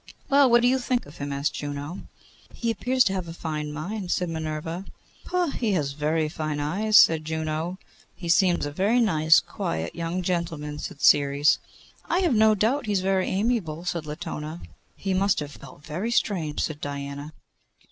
'Well! what do you think of him?' asked Juno. 'He appears to have a fine mind,' said Minerva. 'Poh! he has very fine eyes,' said Juno. 'He seems a very nice, quiet young gentleman,' said Ceres. 'I have no doubt he is very amiable,' said Latona. 'He must have felt very strange,' said Diana.